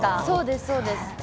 そうです、そうです。